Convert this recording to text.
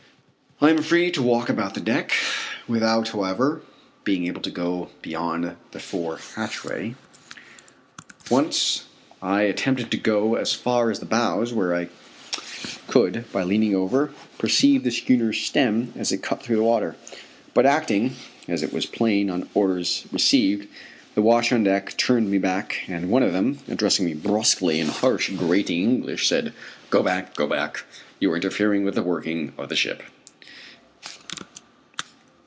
I am free to walk about the deck, without, however, being able to go beyond the fore hatchway. Once I attempted to go as far as the bows where I could, by leaning over, perceive the schooner's stem as it cut through the water, but acting, it was plain, on orders received, the watch on deck turned me back, and one of them, addressing me brusquely in harsh, grating English, said: "Go back! Go back! You are interfering with the working of the ship!"